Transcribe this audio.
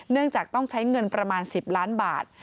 เนื่องจากต้องใช้เงินประมาณ๑๐ล้านบาท